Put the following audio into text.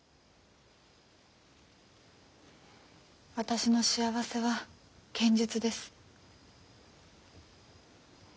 私の幸せは剣術です。